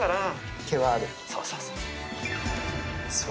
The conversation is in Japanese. そうそうそうそう。